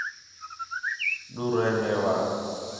ڈور رہ میوا